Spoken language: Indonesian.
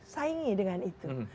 saingi dengan itu